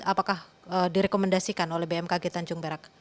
apakah direkomendasikan oleh bmkg tanjung perak